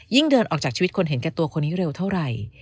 เดินออกจากชีวิตคนเห็นแก่ตัวคนนี้เร็วเท่าไหร่